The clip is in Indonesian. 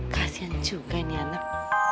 kasian juga nih anak